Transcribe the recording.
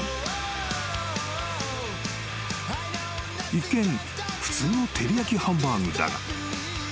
［一見普通の照り焼きハンバーグだが］